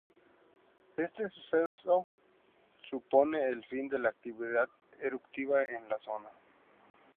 Este suceso supone el fin de la actividad eruptiva en la zona.